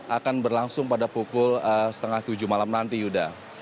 akan berlangsung pada pukul setengah tujuh malam nanti yuda